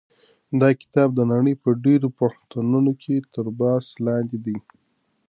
دا کتاب د نړۍ په ډېرو پوهنتونونو کې تر بحث لاندې دی.